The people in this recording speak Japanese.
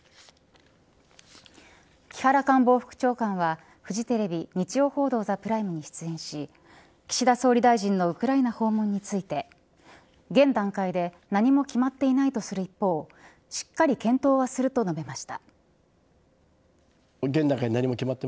木原官房副長官はフジテレビ日曜報道ＴＨＥＰＲＩＭＥに出演し岸田総理大臣のウクライナ訪問について現段階で何も決まっていないとする一方しっかり検討はすると述べました。